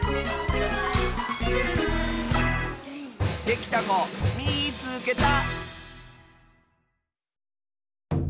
できたこみいつけた！